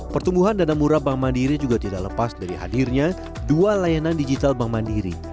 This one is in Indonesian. pertumbuhan dana murah bank mandiri juga tidak lepas dari hadirnya dua layanan digital bank mandiri